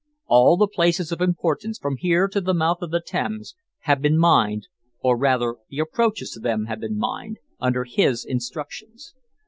All the places of importance, from here to the mouth of the Thames, have been mined, or rather the approaches to them have been mined, under his instructions.